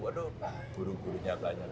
aduh buru burunya banyak